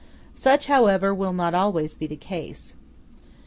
Such, however, will not always be the case.